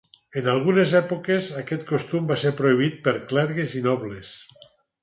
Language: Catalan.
En algunes èpoques, aquest costum va ser prohibit per clergues i nobles.